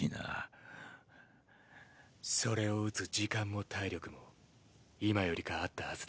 それを打つ時間も体力も今よりかあったはずだ。